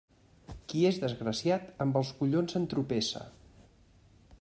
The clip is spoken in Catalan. Qui és desgraciat, amb els collons entropessa.